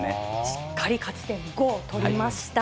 しっかり勝ち点５を取りました。